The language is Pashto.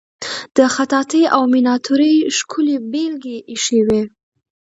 د خطاطی او میناتوری ښکلې بیلګې ایښې وې.